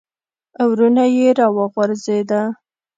ورونه یې را وغورځېده.